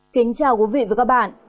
kính chào quý vị và các bạn